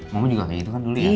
mama juga kayak gitu kan dulu ya